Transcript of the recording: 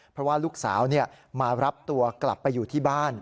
เพราะว่าลูกสาวมารับตัวกลับไปอยู่ที่บ้าน